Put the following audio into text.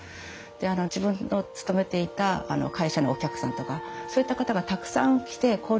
で自分の勤めていた会社のお客さんとかそういった方がたくさん来て交流されてた。